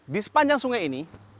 di sepanjang sungai ini